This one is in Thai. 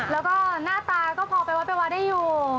แล้วก็หน้าตาก็พอไปวัดไปวัดได้อยู่